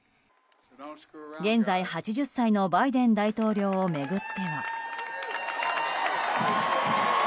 現在８０歳のバイデン大統領を巡っては。